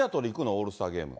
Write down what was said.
オールスターゲーム。